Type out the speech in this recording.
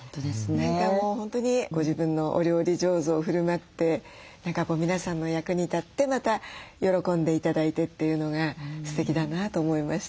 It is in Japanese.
何かもう本当にご自分のお料理上手をふるまって何か皆さんの役に立ってまた喜んで頂いてっていうのがすてきだなと思いました。